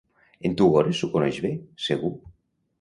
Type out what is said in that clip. En Tugores s'ho coneix bé, segur.